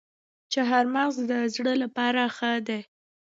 چهارمغز د زړه لپاره ښه دي